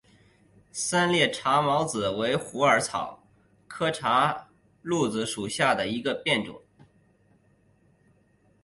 三裂茶藨子为虎耳草科茶藨子属下的一个变种。